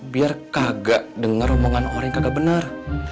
biar kagak denger omongan orang kagak benar